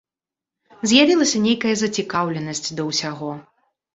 З'явілася нейкая зацікаўленасць да ўсяго.